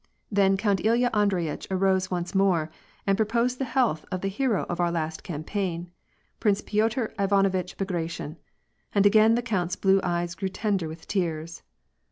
Then Count Ilya Andreyiteh arose once more, and proposed the health of the hero of our last campaign. Prince Piotr Ivan ovitch Bagration, and again the count's blue eyes grew tender with tears.